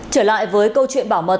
trở lại với câu chuyện bảo mật